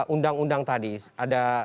undang undang tadi ada